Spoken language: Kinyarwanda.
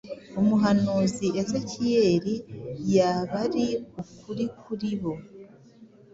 umuhanuzi Ezekiyeli yaba ari ukuri kuri bo